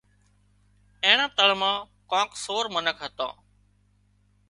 اينڻا تۯ مان ڪانڪ سور منک هتان